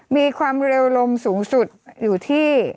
มีความเร็วลมสูงสุดอยู่ที่